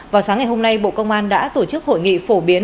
vào sáng ngày hôm nay bộ công an đã tổ chức hội nghị phổ biến